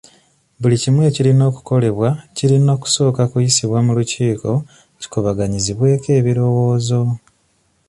Buli kimu ekirina okukolebwa kirina kusooka kuyisibwa mu lukiiko kikubaganyizibweko ebirowoozo.